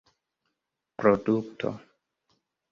produkto